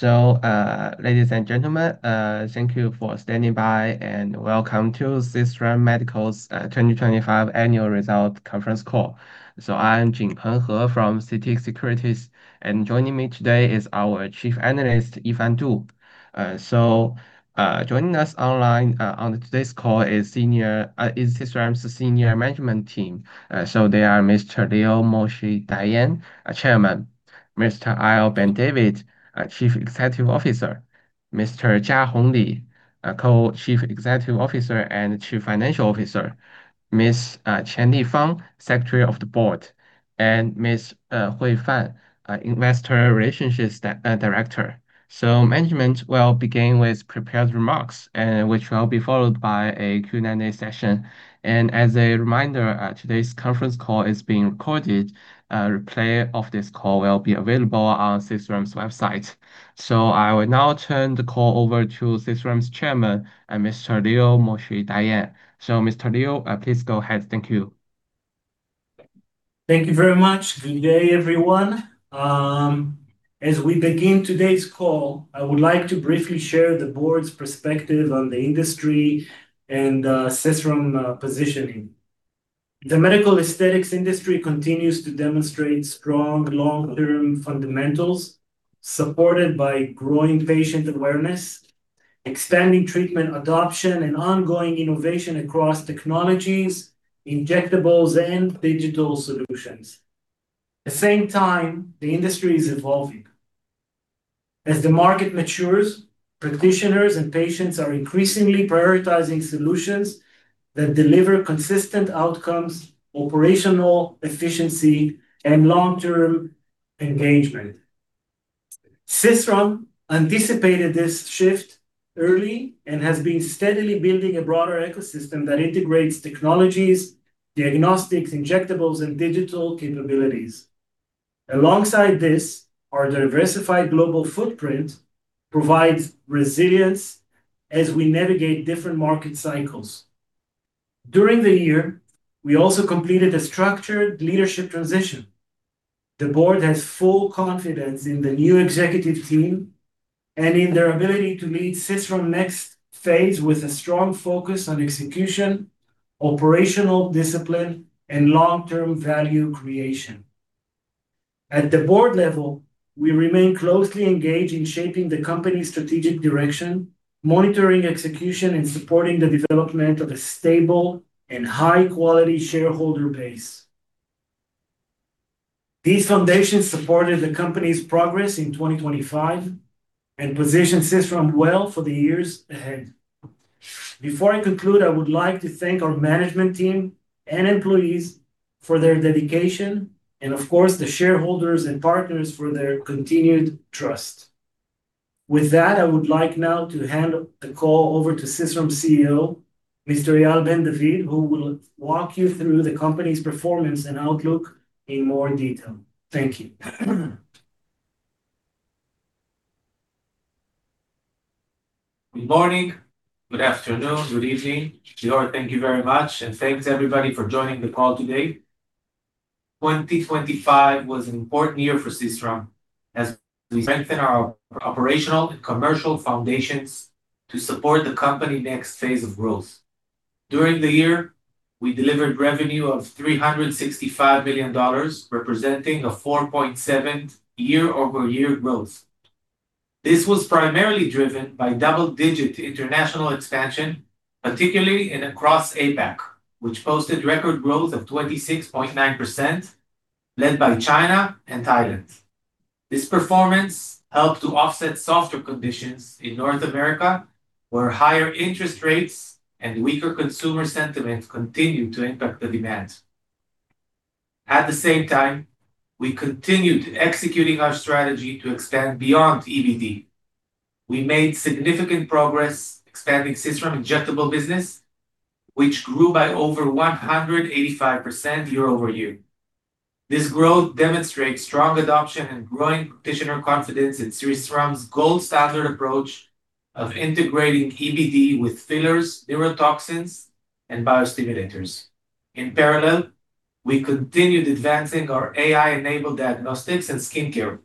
Ladies and gentlemen, thank you for standing by, and welcome to Sisram Medical's 2025 annual results conference call. I am Jingheng He from CITIC Securities, and joining me today is our Chief Analyst, Yifan Du. Joining us online on today's call is Sisram Medical's senior management team. They are Mr. Lior Moshe Dayan, Chairman. Mr. Eyal Ben David, Chief Executive Officer. Mr. Jiahong Li, Co-Chief Executive Officer and Chief Financial Officer. Ms. Qianli Fang, Secretary of the Board. And Ms. Hui Fan, Investor Relations Director. Management will begin with prepared remarks, which will be followed by a Q&A session. As a reminder, today's conference call is being recorded. A replay of this call will be available on Sisram Medical's website. I will now turn the call over to Sisram's Chairman, Mr. Lior Moshe Dayan. Mr. Lior, please go ahead. Thank you. Thank you very much. Good day, everyone. As we begin today's call, I would like to briefly share the board's perspective on the industry and Sisram positioning. The medical aesthetics industry continues to demonstrate strong long-term fundamentals supported by growing patient awareness, expanding treatment adoption, and ongoing innovation across technologies, injectables, and digital solutions. At the same time, the industry is evolving. As the market matures, practitioners and patients are increasingly prioritizing solutions that deliver consistent outcomes, operational efficiency, and long-term engagement. Sisram anticipated this shift early and has been steadily building a broader ecosystem that integrates technologies, diagnostics, injectables, and digital capabilities. Alongside this, our diversified global footprint provides resilience as we navigate different market cycles. During the year, we also completed a structured leadership transition. The board has full confidence in the new executive team and in their ability to lead Sisram next phase with a strong focus on execution, operational discipline, and long-term value creation. At the board level, we remain closely engaged in shaping the company's strategic direction, monitoring execution, and supporting the development of a stable and high-quality shareholder base. These foundations supported the company's progress in 2025 and position Sisram well for the years ahead. Before I conclude, I would like to thank our management team and employees for their dedication, and of course, the shareholders and partners for their continued trust. With that, I would like now to hand the call over to Sisram CEO, Mr. Eyal Ben David, who will walk you through the company's performance and outlook in more detail. Thank you. Good morning, good afternoon, good evening. Lior, thank you very much, and thanks everybody for joining the call today. 2025 was an important year for Sisram as we strengthen our operational and commercial foundations to support the company's next phase of growth. During the year, we delivered revenue of $365 million, representing a 4.7% year-over-year growth. This was primarily driven by double-digit international expansion, particularly across APAC, which posted record growth of 26.9% led by China and Thailand. This performance helped to offset softer conditions in North America, where higher interest rates and weaker consumer sentiments continued to impact the demand. At the same time, we continued executing our strategy to expand beyond EBD. We made significant progress expanding Sisram's injectable business, which grew by over 185% year-over-year. This growth demonstrates strong adoption and growing practitioner confidence in Sisram's gold standard approach of integrating EBD with fillers, neurotoxins, and biostimulators. In parallel, we continued advancing our AI-enabled diagnostics and skincare,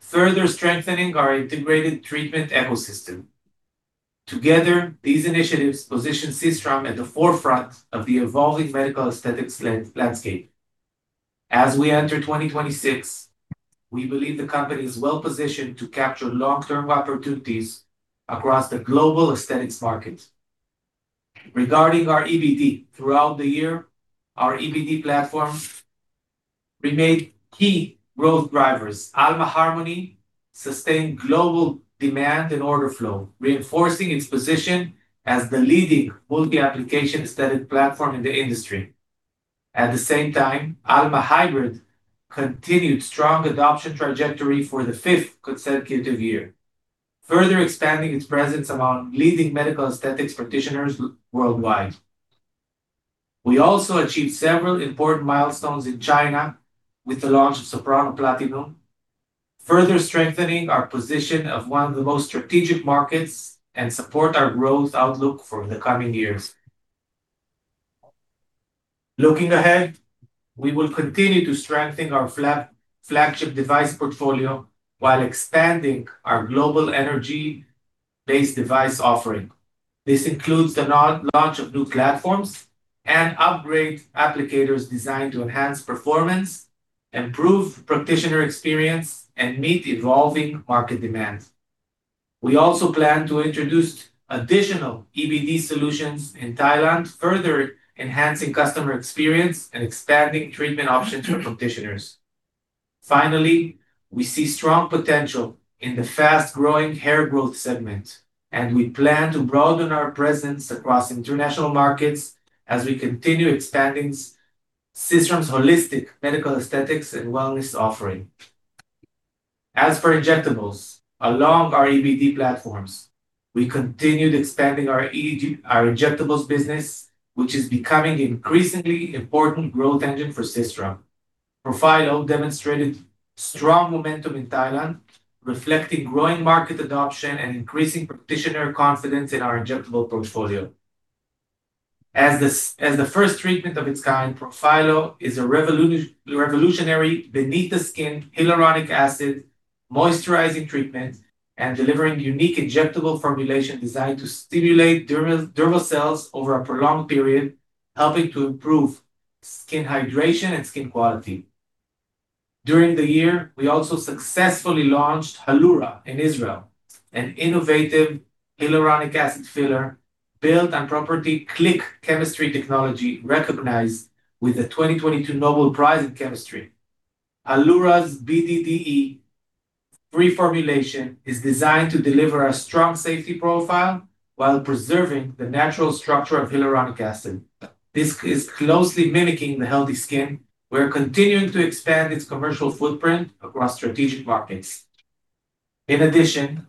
further strengthening our integrated treatment ecosystem. Together, these initiatives position Sisram at the forefront of the evolving medical aesthetics landscape. As we enter 2026, we believe the company is well-positioned to capture long-term opportunities across the global aesthetics market. Regarding our EBD, throughout the year, our EBD platform remained key growth drivers. Alma Harmony sustained global demand and order flow, reinforcing its position as the leading multi-application aesthetic platform in the industry. At the same time, Alma Hybrid continued strong adoption trajectory for the fifth consecutive year, further expanding its presence among leading medical aesthetics practitioners worldwide. We also achieved several important milestones in China with the launch of Soprano ICE Platinum, further strengthening our position of one of the most strategic markets and support our growth outlook for the coming years. Looking ahead, we will continue to strengthen our flagship device portfolio while expanding our global energy-based device offering. This includes the launch of new platforms and upgrade applicators designed to enhance performance, improve practitioner experience, and meet evolving market demands. We also plan to introduce additional EBD solutions in Thailand, further enhancing customer experience and expanding treatment options for practitioners. Finally, we see strong potential in the fast-growing hair growth segment, and we plan to broaden our presence across international markets as we continue expanding Sisram's holistic medical aesthetics and wellness offering. As for injectables, along our EBD platforms, we continued expanding our injectables business, which is becoming increasingly important growth engine for Sisram. Profhilo demonstrated strong momentum in Thailand, reflecting growing market adoption and increasing practitioner confidence in our injectable portfolio. As the first treatment of its kind, Profhilo is a revolutionary beneath the skin hyaluronic acid moisturizing treatment and delivering unique injectable formulation designed to stimulate dermal cells over a prolonged period, helping to improve skin hydration and skin quality. During the year, we also successfully launched Hallura in Israel, an innovative hyaluronic acid filler built on proprietary Click Chemistry Technology, recognized with the 2022 Nobel Prize in Chemistry. Hallura's BDDE-free formulation is designed to deliver a strong safety profile while preserving the natural structure of hyaluronic acid. This is closely mimicking the healthy skin. We're continuing to expand its commercial footprint across strategic markets. In addition,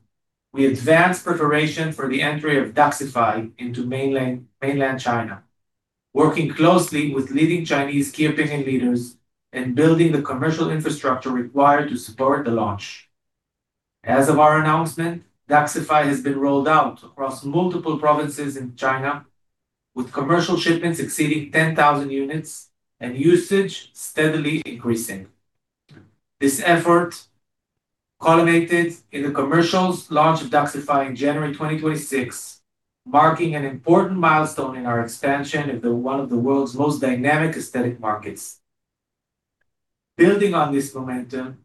we advanced preparation for the entry of DAXXIFY into Mainland China, working closely with leading Chinese key opinion leaders and building the commercial infrastructure required to support the launch. As of our announcement, DAXXIFY has been rolled out across multiple provinces in China, with commercial shipments exceeding 10,000 units and usage steadily increasing. This effort culminated in the commercial launch of DAXXIFY in January 2026, marking an important milestone in our expansion into one of the world's most dynamic aesthetic markets. Building on this momentum,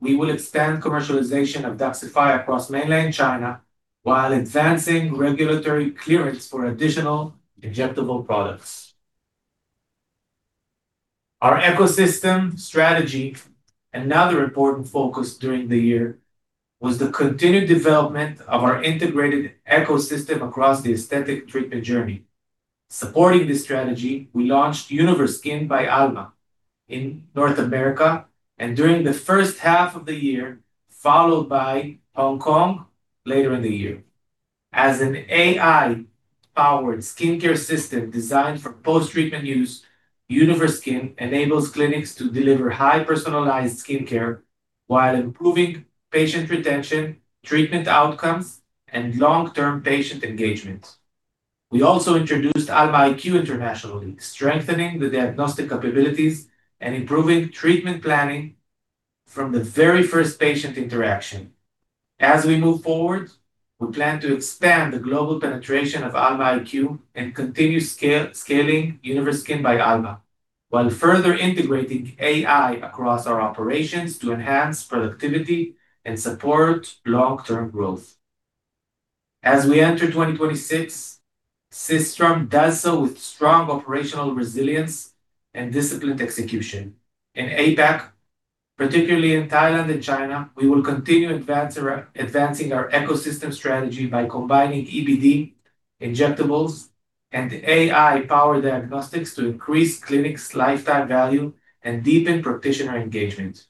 we will expand commercialization of DAXXIFY across Mainland China while advancing regulatory clearance for additional injectable products. Our ecosystem strategy, another important focus during the year, was the continued development of our integrated ecosystem across the aesthetic treatment journey. Supporting this strategy, we launched Universkin by Alma in North America and during the first half of the year, followed by Hong Kong later in the year. As an AI-powered skincare system designed for post-treatment use, Universkin by Alma enables clinics to deliver highly personalized skincare while improving patient retention, treatment outcomes, and long-term patient engagement. We also introduced Alma IQ internationally, strengthening the diagnostic capabilities and improving treatment planning from the very first patient interaction. As we move forward, we plan to expand the global penetration of Alma IQ and continue scaling Universkin by Alma, while further integrating AI across our operations to enhance productivity and support long-term growth. As we enter 2026, Sisram does so with strong operational resilience and disciplined execution. In APAC, particularly in Thailand and China, we will continue advancing our ecosystem strategy by combining EBD, injectables, and AI-powered diagnostics to increase clinics lifetime value and deepen practitioner engagement.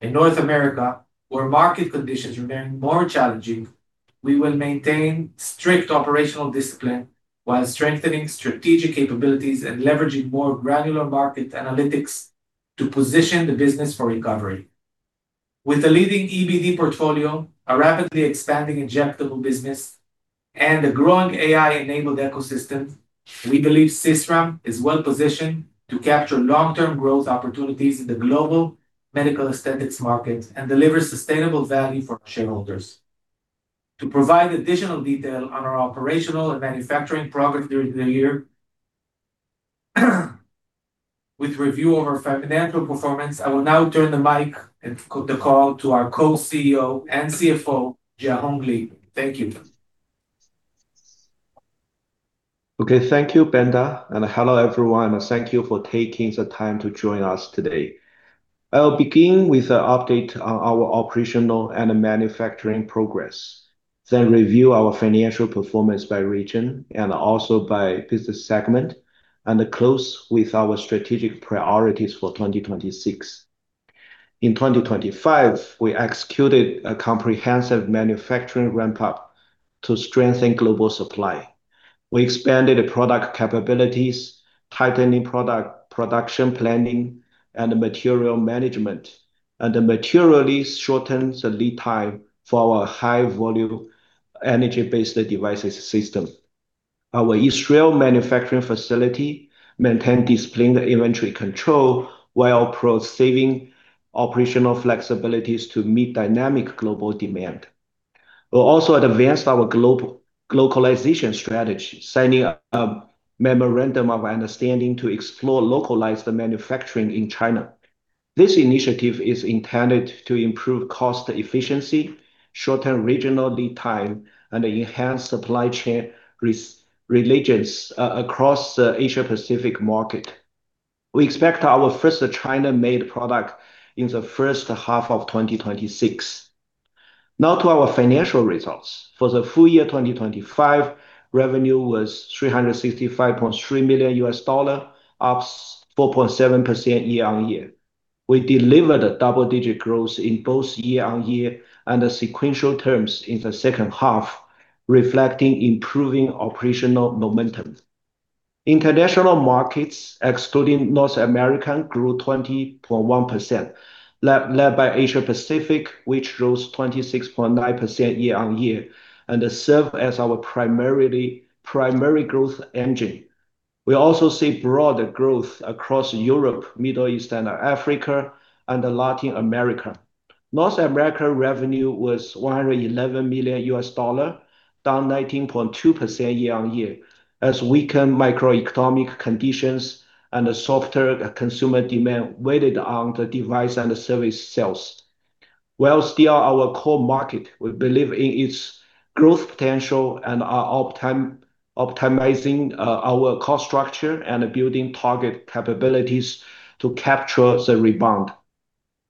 In North America, where market conditions remain more challenging, we will maintain strict operational discipline while strengthening strategic capabilities and leveraging more granular market analytics to position the business for recovery. With a leading EBD portfolio, a rapidly expanding injectable business, and a growing AI-enabled ecosystem, we believe Sisram is well-positioned to capture long-term growth opportunities in the global medical aesthetics market and deliver sustainable value for our shareholders. To provide additional detail on our operational and manufacturing progress during the year, with review of our financial performance, I will now turn the mic and the call to our Co-CEO and CFO, Jiahong Li. Thank you. Okay. Thank you, Eyal Ben David, and hello, everyone, and thank you for taking the time to join us today. I'll begin with an update on our operational and manufacturing progress, then review our financial performance by region and also by business segment, and close with our strategic priorities for 2026. In 2025, we executed a comprehensive manufacturing ramp up to strengthen global supply. We expanded the product capabilities, tightening product production planning, and material management. The materially shortens the lead time for our high volume energy-based devices system. Our Israel manufacturing facility maintain disciplined inventory control while preserving operational flexibilities to meet dynamic global demand. We'll also advance our globalization strategy, signing a memorandum of understanding to explore localized manufacturing in China. This initiative is intended to improve cost efficiency, shorten regional lead time, and enhance supply chain resilience across the Asia-Pacific market. We expect our first China-made product in the first half of 2026. Now to our financial results. For the full year 2025, revenue was $365.3 million, up 4.7% year-on-year. We delivered a double-digit growth in both year-on-year and the sequential terms in the second half, reflecting improving operational momentum. International markets, excluding North America, grew 20.1%, led by Asia-Pacific, which rose 26.9% year-on-year, and serve as our primary growth engine. We also see broader growth across Europe, Middle East and Africa, and Latin America. North America revenue was $111 million, down 19.2% year-on-year, as weakened macroeconomic conditions and softer consumer demand weighed on the device and service sales. While still our core market, we believe in its growth potential and are optimizing our cost structure and building target capabilities to capture the rebound.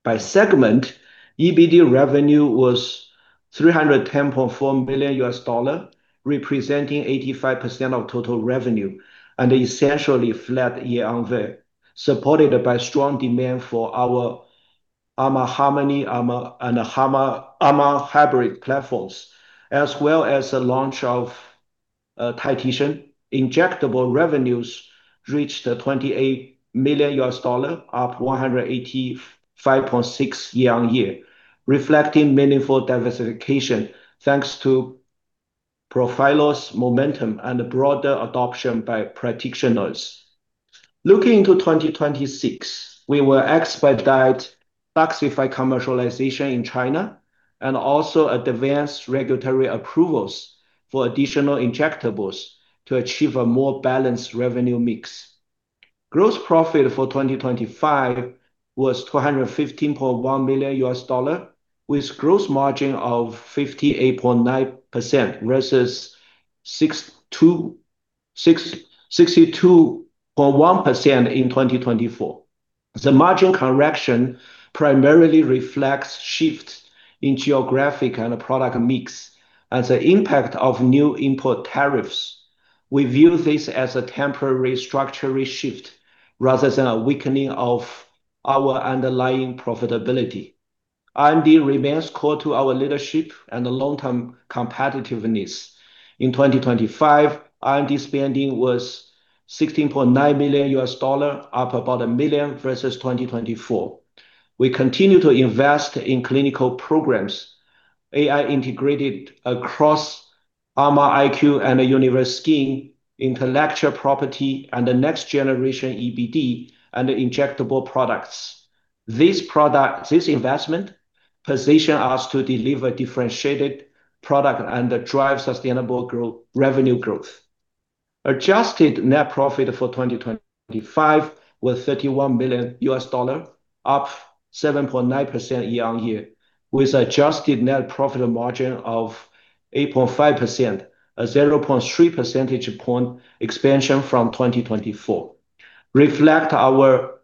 By segment, EBD revenue was $310.4 million, representing 85% of total revenue and essentially flat year-on-year, supported by strong demand for our Alma Harmony and Alma Hybrid platforms, as well as the launch of TITAN. Injectable revenues reached $28 million, up 185.6% year-on-year, reflecting meaningful diversification thanks to Profhilo's momentum and broader adoption by practitioners. Looking into 2026, we will expect DAXXIFY commercialization in China and also advanced regulatory approvals for additional injectables to achieve a more balanced revenue mix. Gross profit for 2025 was $215.1 million, with gross margin of 58.9% versus 62.1% in 2024. The margin correction primarily reflects shifts in geographic and product mix and the impact of new import tariffs. We view this as a temporary structural shift rather than a weakening of our underlying profitability. R&D remains core to our leadership and long-term competitiveness. In 2025, R&D spending was $16.9 million, up about a million versus 2024. We continue to invest in clinical programs, AI integrated across Alma IQ and Universkin, intellectual property, and the next generation EBD and injectable products. This investment position us to deliver differentiated product and drive sustainable revenue growth. Adjusted net profit for 2025 was $31 million, up 7.9% year-on-year, with adjusted net profit margin of 8.5%, a 0.3 percentage point expansion from 2024, reflecting our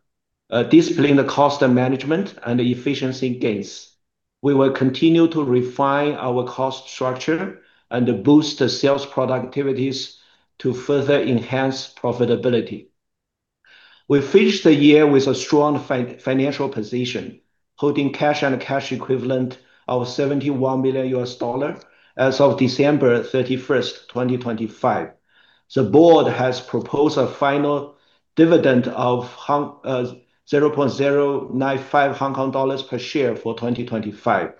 disciplined cost management and efficiency gains. We will continue to refine our cost structure and boost sales productivities to further enhance profitability. We finished the year with a strong financial position, holding cash and cash equivalent of $71 million as of December 31st, 2025. The board has proposed a final dividend of 0.095 Hong Kong dollars per share for 2025.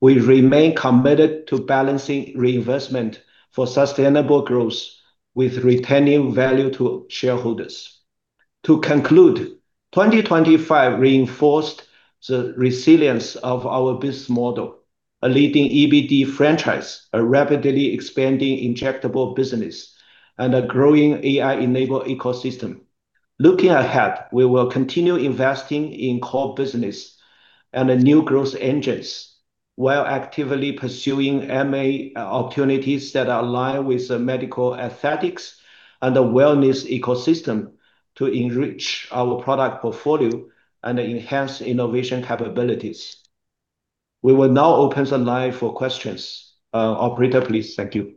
We remain committed to balancing reinvestment for sustainable growth with retaining value to shareholders. To conclude, 2025 reinforced the resilience of our business model, a leading EBD franchise, a rapidly expanding injectable business, and a growing AI-enabled ecosystem. Looking ahead, we will continue investing in core business and new growth engines while actively pursuing M&A opportunities that align with the medical aesthetics and wellness ecosystem to enrich our product portfolio and enhance innovation capabilities. We will now open the line for questions. Operator, please. Thank you.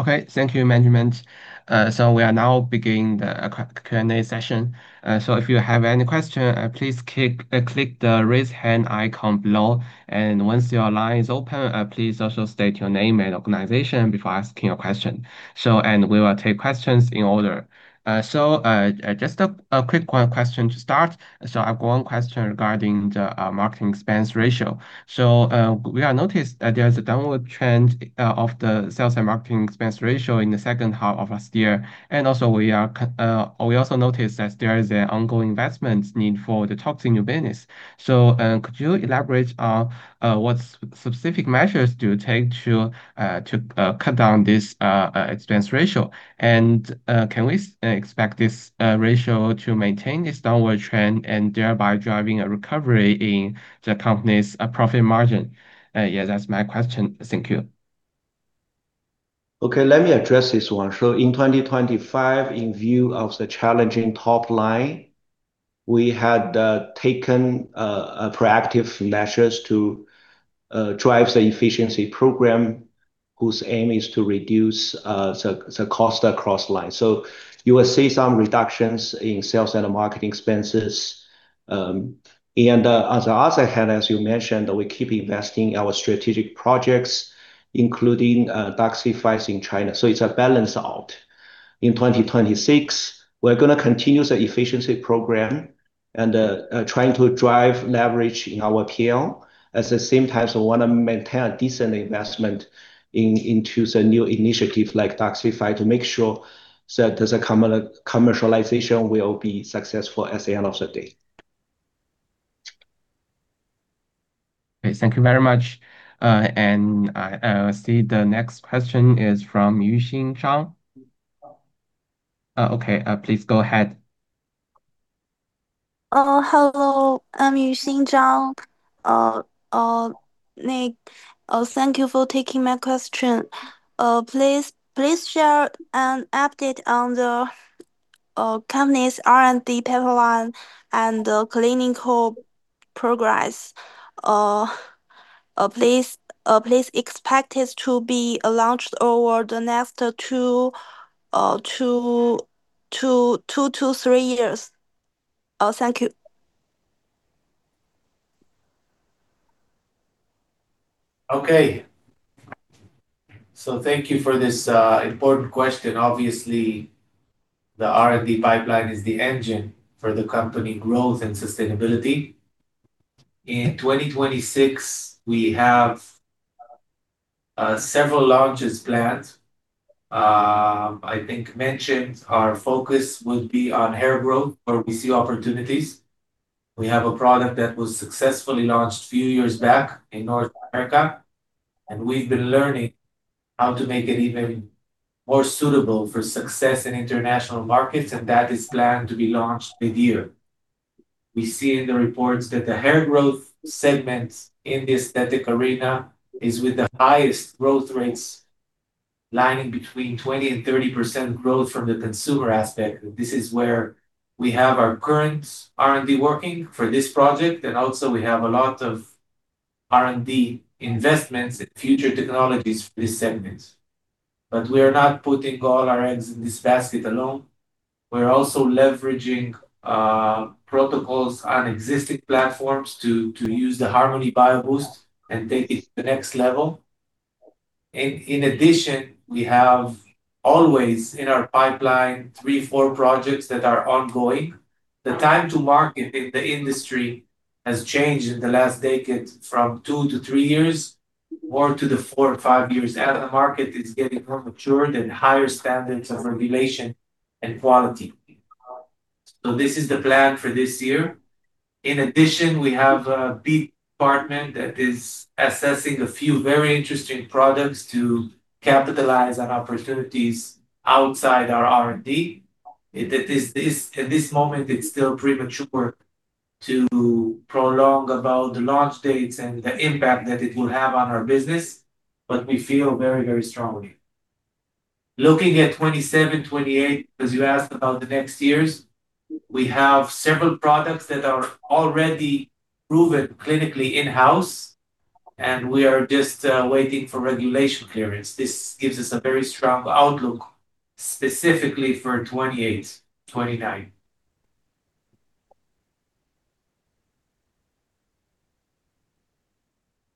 Okay. Thank you, management. We are now beginning the Q&A session. If you have any question, please click the raise hand icon below. Once your line is open, please also state your name and organization before asking your question. We will take questions in order. Just a quick one question to start. I've one question regarding the marketing expense ratio. We have noticed that there's a downward trend of the sales and marketing expense ratio in the second half of last year. Also we notice that there is an ongoing investment need for the top senior business. Could you elaborate on what specific measures do you take to cut down this expense ratio? Can we expect this ratio to maintain this downward trend and thereby driving a recovery in the company's profit margin? Yeah, that's my question. Thank you. Okay, let me address this one. In 2025, in view of the challenging top line, we had taken proactive measures to drive the efficiency program, whose aim is to reduce the cost across line. You will see some reductions in sales and marketing expenses. On the other hand, as you mentioned, we keep investing our strategic projects, including DAXXIFY in China. It's a balance out. In 2026, we're gonna continue the efficiency program and trying to drive leverage in our P&L. At the same time, we wanna maintain a decent investment into the new initiative like DAXXIFY to make sure that there's a commercialization will be successful at the end of the day. Okay. Thank you very much. I see the next question is from Yuxin Zhang. Okay. Please go ahead. Hello. I'm Yuxin Zhang. Nick, thank you for taking my question. Please share an update on the company's R&D pipeline and the clinical progress expected to be launched over the next two to three years. Thank you. Okay. Thank you for this important question. Obviously, the R&D pipeline is the engine for the company growth and sustainability. In 2026, we have several launches planned. I think I mentioned our focus will be on hair growth where we see opportunities. We have a product that was successfully launched a few years back in North America, and we've been learning how to make it even more suitable for success in international markets, and that is planned to be launched this year. We see in the reports that the hair growth segment in the aesthetic arena is with the highest growth rates lying between 20% and 30% growth from the consumer aspect. This is where we have our current R&D working for this project. We also have a lot of R&D investments in future technologies for this segment. We are not putting all our eggs in this basket alone. We're also leveraging protocols on existing platforms to use the Harmony Bio-Boost and take it to the next level. In addition, we have always in our pipeline three, four projects that are ongoing. The time to market in the industry has changed in the last decade from two to three years, or to the four or five years. The market is getting more mature, then higher standards of regulation and quality. This is the plan for this year. In addition, we have a big department that is assessing a few very interesting products to capitalize on opportunities outside our R&D. At this moment, it's still premature to prolong about the launch dates and the impact that it will have on our business, but we feel very, very strongly. Looking at 2027, 2028, because you asked about the next years, we have several products that are already proven clinically in-house, and we are just waiting for regulatory clearance. This gives us a very strong outlook, specifically for 2028, 2029.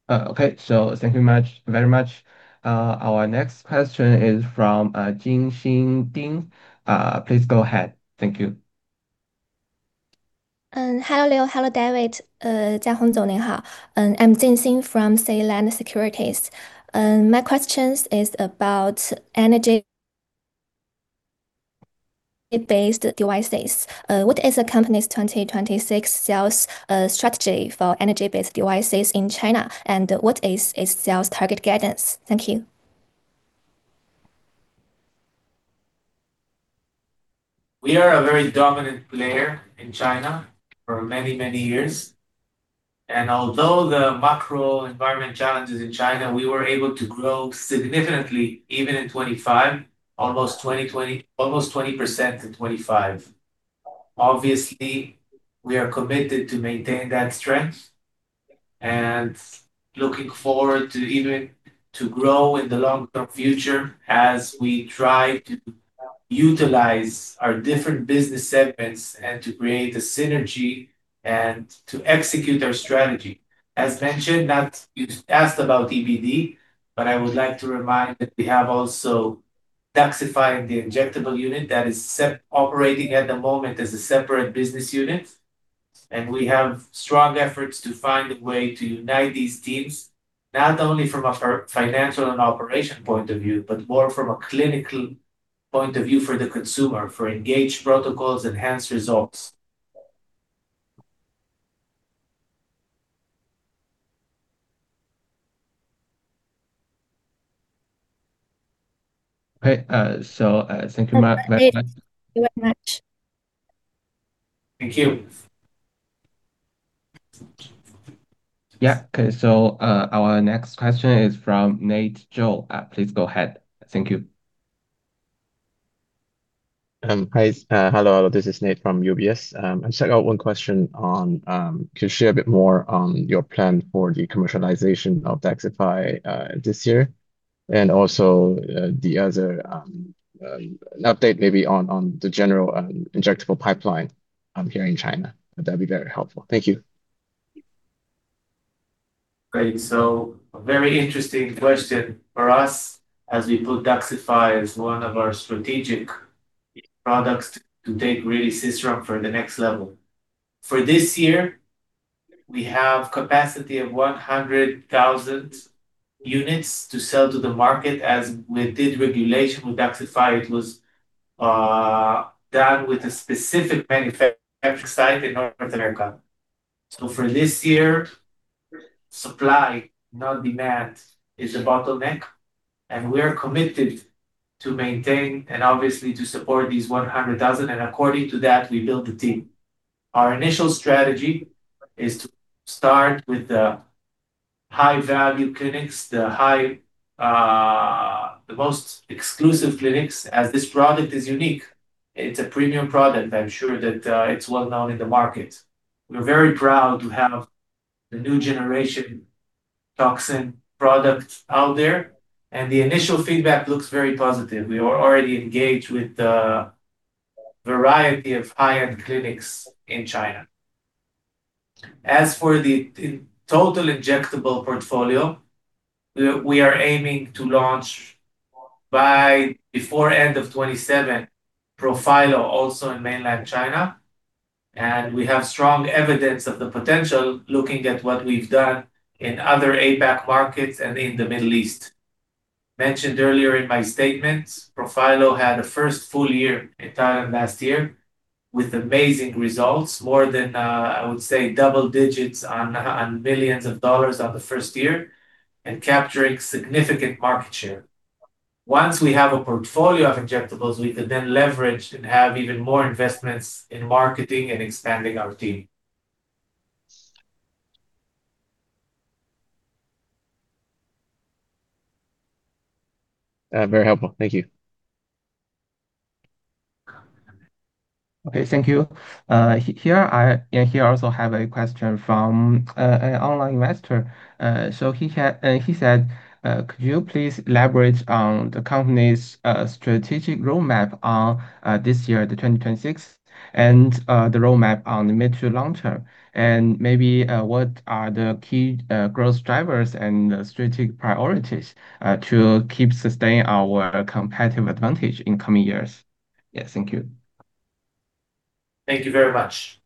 Thank you very much. Our next question is from Jin Xin Ding. Please go ahead. Thank you. Hello Lior. Hello, David. I'm Jin Xin from Sealand Securities. My question is about energy-based devices. What is the company's 2026 sales strategy for energy-based devices in China? And what is its sales target guidance? Thank you. We are a very dominant player in China for many, many years. Although the macro environment challenges in China, we were able to grow significantly even in 2025, almost 20% in 2025. Obviously, we are committed to maintain that strength. Looking forward to even to grow in the long-term future as we try to utilize our different business segments and to create a synergy and to execute our strategy. As mentioned, You asked about EBD, but I would like to remind that we have also DAXXIFY, the injectable unit that is operating at the moment as a separate business unit. We have strong efforts to find a way to unite these teams, not only from a financial and operation point of view, but more from a clinical point of view for the consumer, for engaged protocols, enhanced results. Okay. Thank you very much. Thank you very much. Thank you. Yeah. Okay. Our next question is from Nate Zhou. Please go ahead. Thank you. Hi. Hello. This is Nate from UBS. I just have one question. Could you share a bit more on your plan for the commercialization of DAXXIFY this year? An update maybe on the general injectable pipeline here in China. That'd be very helpful. Thank you. Great. Very interesting question. For us, as we put DAXXIFY as one of our strategic products to really take Sisram to the next level. For this year, we have capacity of 100,000 units to sell to the market. As we did registration with DAXXIFY, it was done with a specific manufacturing site in North America. For this year, supply, not demand, is a bottleneck, and we're committed to maintain and obviously to support these 100,000, and according to that, we built the team. Our initial strategy is to start with the high-value clinics, the high, the most exclusive clinics, as this product is unique. It's a premium product. I'm sure that it's well-known in the market. We're very proud to have the new generation toxin product out there, and the initial feedback looks very positive. We are already engaged with a variety of high-end clinics in China. As for the total injectable portfolio, we are aiming to launch by the end of 2027, Profhilo also in mainland China. We have strong evidence of the potential looking at what we've done in other APAC markets and in the Middle East. Mentioned earlier in my statements, Profhilo had a first full year in Thailand last year with amazing results, more than I would say double digits on $ millions on the first year and capturing significant market share. Once we have a portfolio of injectables, we can then leverage and have even more investments in marketing and expanding our team. Very helpful. Thank you. Okay, thank you. Here I also have a question from an online investor. So he said, could you please elaborate on the company's strategic roadmap on this year, 2026, and the roadmap on the mid to long term? And maybe what are the key growth drivers and strategic priorities to keep sustaining our competitive advantage in coming years? Yeah. Thank you. Thank you very much.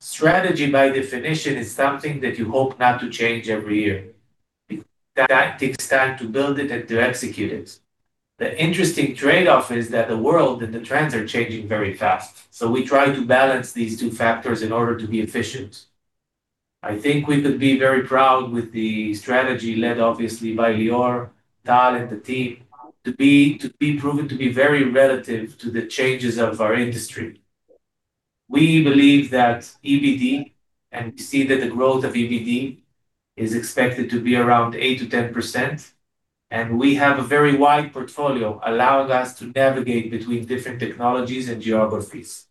Strategy by definition is something that you hope not to change every year. It takes time to build it and to execute it. The interesting trade-off is that the world and the trends are changing very fast. We try to balance these two factors in order to be efficient. I think we could be very proud with the strategy led obviously by Lior, Tal, and the team to be proven to be very relevant to the changes of our industry. We believe that EBD, and we see that the growth of EBD is expected to be around 8%-10%, and we have a very wide portfolio allowing us to navigate between different technologies and geographies.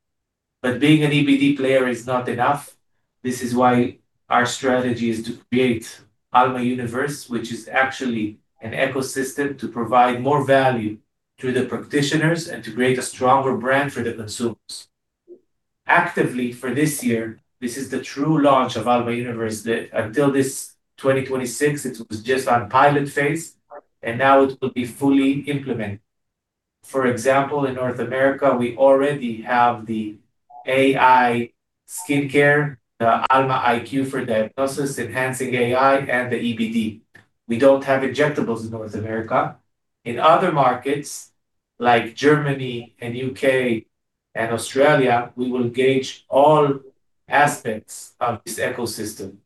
Being an EBD player is not enough. This is why our strategy is to create Alma Universe, which is actually an ecosystem to provide more value to the practitioners and to create a stronger brand for the consumers. Actually for this year, this is the true launch of Alma Universe. Until 2026, it was just on pilot phase, and now it will be fully implemented. For example, in North America, we already have the AI skincare, the Alma IQ for diagnosis, enhancing AI, and the EBD. We don't have injectables in North America. In other markets like Germany and U.K. and Australia, we will engage all aspects of this ecosystem.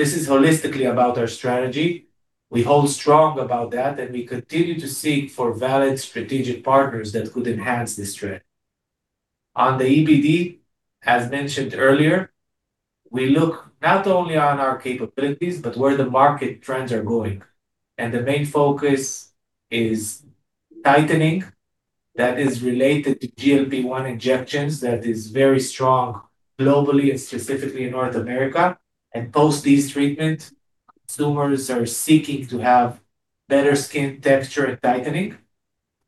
This is holistically about our strategy. We hold strong about that, and we continue to seek for valid strategic partners that could enhance this trend. On the EBD, as mentioned earlier, we look not only on our capabilities, but where the market trends are going. The main focus is tightening. That is related to GLP1 injections that is very strong globally and specifically in North America. Post these treatment, consumers are seeking to have better skin texture and tightening,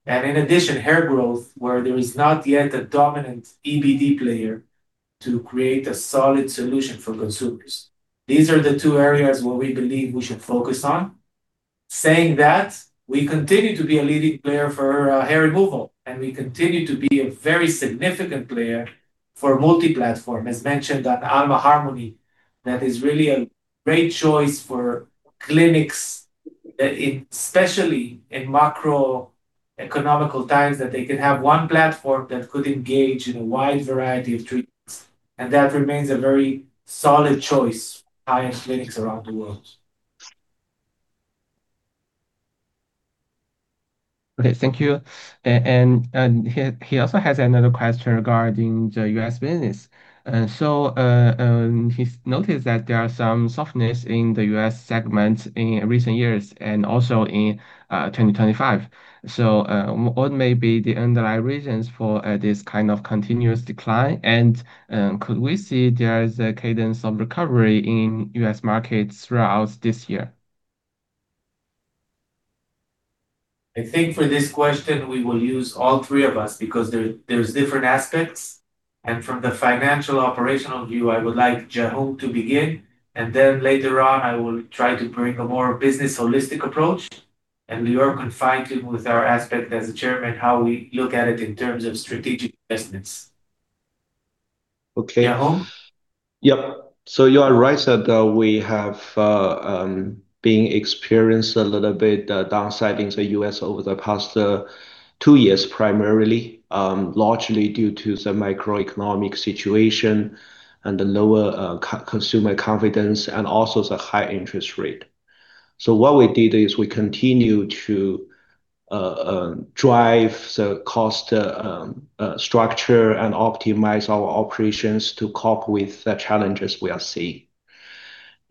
and in addition, hair growth, where there is not yet a dominant EBD player to create a solid solution for consumers. These are the two areas where we believe we should focus on. Saying that, we continue to be a leading player for hair removal, and we continue to be a very significant player for multi-platform. As mentioned, that Alma Harmony, that is really a great choice for clinics, especially in macroeconomic times, that they can have one platform that could engage in a wide variety of treatments, and that remains a very solid choice by clinics around the world. Okay, thank you. He also has another question regarding the U.S. business. He's noticed that there are some softness in the U.S. segment in recent years and also in 2025. What may be the underlying reasons for this kind of continuous decline, and could we see there is a cadence of recovery in U.S. markets throughout this year? I think for this question, we will use all three of us because there's different aspects. From the financial operational view, I would like Jiahong to begin, and then later on, I will try to bring a more business holistic approach. Lior can fill it in with our aspect as a chairman, how we look at it in terms of strategic investments. Okay. Jiahong. Yep. You are right that we have been experiencing a little bit downsizing in the U.S. over the past two years, primarily largely due to the macroeconomic situation and the lower consumer confidence and also the high interest rate. What we did is we continued to drive the cost structure and optimize our operations to cope with the challenges we are seeing.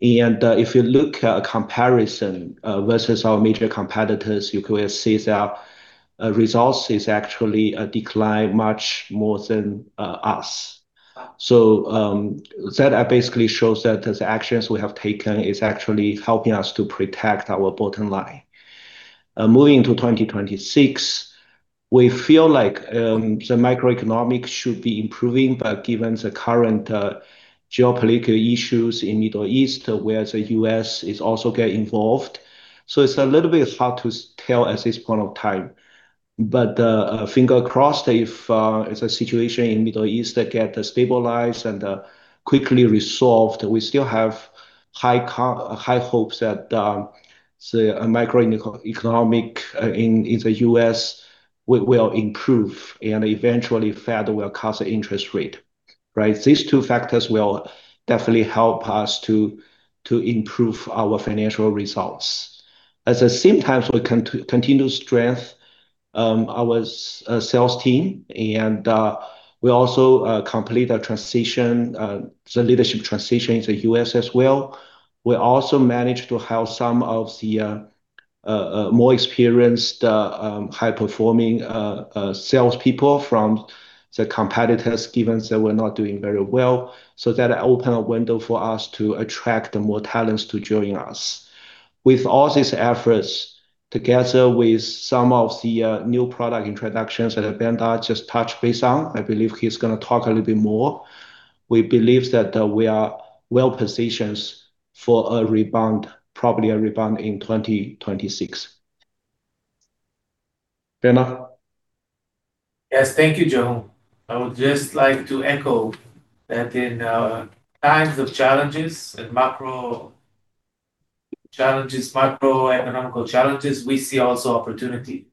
If you look at a comparison versus our major competitors, you could see their results is actually a decline much more than us. That basically shows that the actions we have taken is actually helping us to protect our bottom line. Moving to 2026, we feel like the macroeconomic should be improving, but given the current geopolitical issues in Middle East, where the U.S. is also get involved, so it's a little bit hard to tell at this point of time. Fingers crossed, if the situation in Middle East get stabilized and quickly resolved, we still have high hopes that the macroeconomic in the U.S. will improve and eventually Fed will cut the interest rate, right? These two factors will definitely help us to improve our financial results. At the same time, we continue to strengthen our sales team, and we also completed the leadership transition in the U.S. as well. We also managed to have some of the more experienced, high-performing salespeople from the competitors, given that we're not doing very well. That open a window for us to attract the more talents to join us. With all these efforts, together with some of the new product introductions that Eyal Ben just touched base on, I believe he's gonna talk a little bit more. We believe that we are well-positioned for a rebound, probably a rebound in 2026. Dayan. Yes. Thank you, Jiahong. I would just like to echo that in times of challenges and macro challenges, macroeconomic challenges, we see also opportunity.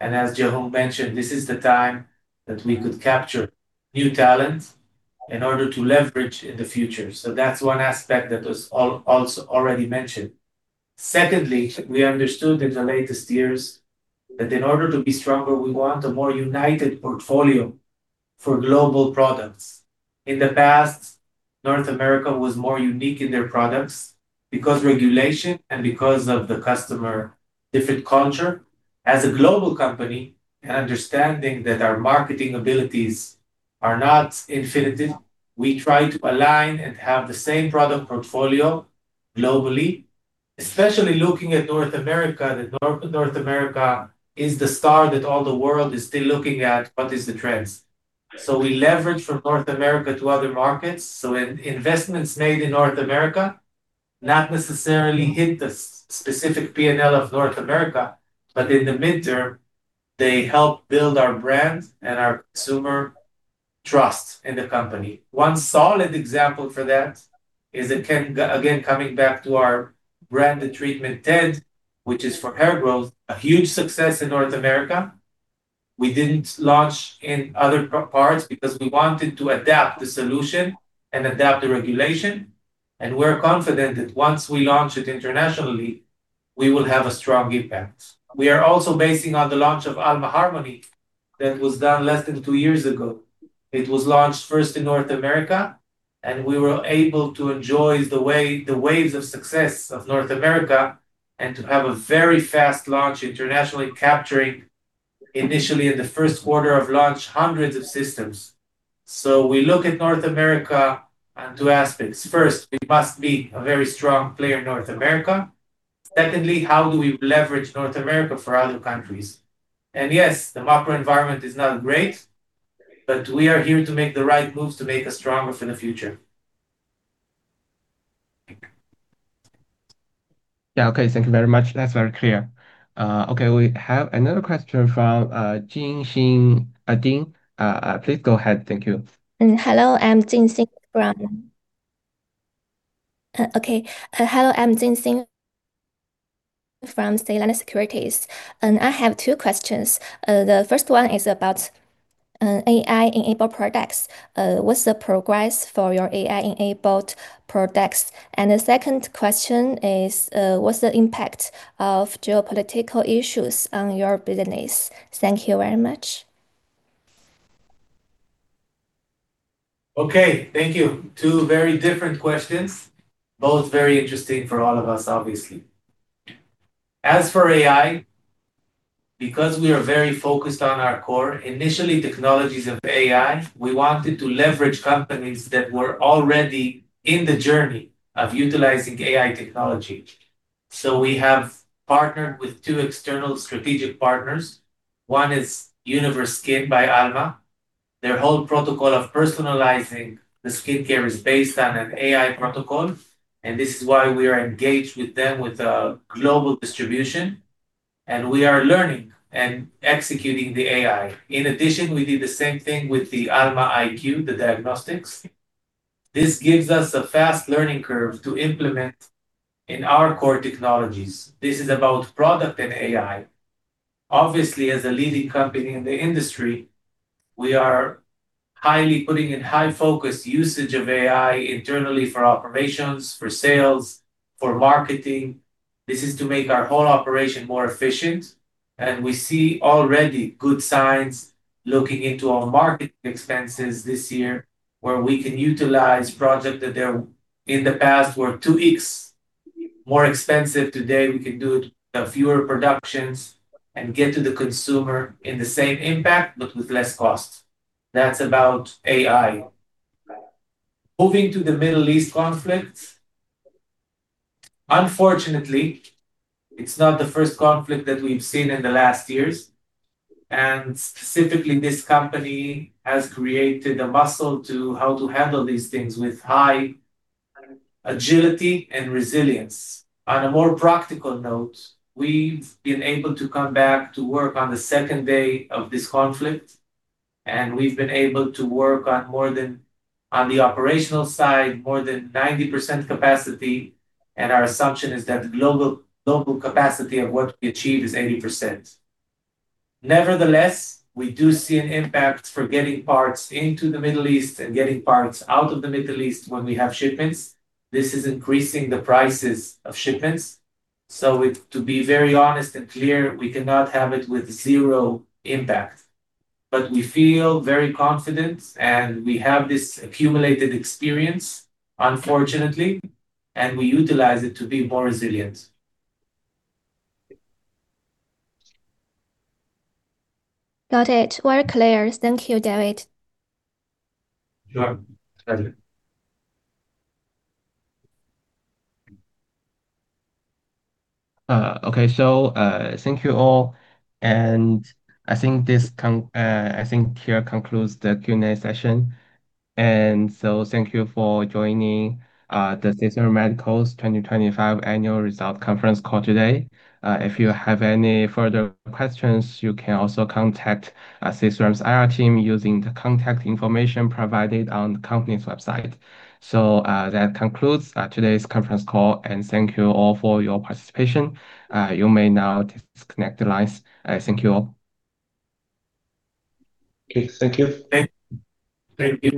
As Jiahong mentioned, this is the time that we could capture new talent in order to leverage in the future. That's one aspect that was also already mentioned. Secondly, we understood in the latest years that in order to be stronger, we want a more united portfolio for global products. In the past, North America was more unique in their products because regulation and because of the customer different culture. As a global company, and understanding that our marketing abilities are not infinite, we try to align and have the same product portfolio globally, especially looking at North America, that North America is the star that all the world is still looking at what is the trends. We leverage from North America to other markets. Investments made in North America not necessarily hit the specific P&L of North America, but in the midterm, they help build our brand and our consumer trust in the company. One solid example for that is again coming back to our branded treatment, TED, which is for hair growth, a huge success in North America. We didn't launch in other parts because we wanted to adapt the solution and adapt the regulation, and we're confident that once we launch it internationally, we will have a strong impact. We are also based on the launch of Alma Harmony that was done less than two years ago. It was launched first in North America, and we were able to enjoy the waves of success of North America and to have a very fast launch internationally, capturing initially in the first quarter of launch, hundreds of systems. We look at North America on two aspects. First, we must be a very strong player in North America. Secondly, how do we leverage North America for other countries? Yes, the macro environment is not great, but we are here to make the right moves to make us stronger for the future. Yeah. Okay. Thank you very much. That's very clear. Okay, we have another question from Jin Xin Ding. Please go ahead. Thank you. Hello, I'm Jin Xin from Sealand Securities, and I have two questions. The first one is about AI-enabled products. What's the progress for your AI-enabled products? The second question is, what's the impact of geopolitical issues on your business? Thank you very much. Okay. Thank you. Two very different questions, both very interesting for all of us, obviously. As for AI, because we are very focused on our core, initially, technologies of AI, we wanted to leverage companies that were already in the journey of utilizing AI technology. We have partnered with two external strategic partners. One is Universkin by Alma. Their whole protocol of personalizing the skincare is based on an AI protocol, and this is why we are engaged with them with a global distribution, and we are learning and executing the AI. In addition, we did the same thing with the Alma IQ, the diagnostics. This gives us a fast learning curve to implement in our core technologies. This is about product and AI. Obviously, as a leading company in the industry, we are highly putting in high focused usage of AI internally for operations, for sales, for marketing. This is to make our whole operation more efficient, and we see already good signs looking into our marketing expenses this year, where we can utilize projects that in the past were two weeks more expensive. Today, we can do it with fewer productions and get to the consumer in the same impact, but with less cost. That's about AI. Moving to the Middle East conflict, unfortunately, it's not the first conflict that we've seen in the last years, and specifically, this company has created a muscle to how to handle these things with high agility and resilience. On a more practical note, we've been able to come back to work on the second day of this conflict, and we've been able to work on more than, on the operational side, more than 90% capacity, and our assumption is that the global capacity of what we achieve is 80%. Nevertheless, we do see an impact for getting parts into the Middle East and getting parts out of the Middle East when we have shipments. This is increasing the prices of shipments. To be very honest and clear, we cannot have it with zero impact. We feel very confident, and we have this accumulated experience, unfortunately, and we utilize it to be more resilient. Got it. Very clear. Thank you, David. Sure. Thank you. Okay. Thank you all. I think here concludes the Q&A session. Thank you for joining Sisram Medical's 2025 annual results conference call today. If you have any further questions, you can also contact Sisram Medical's IR team using the contact information provided on the company's website. That concludes today's conference call, and thank you all for your participation. You may now disconnect the lines. Thank you all. Okay. Thank you. Thank you.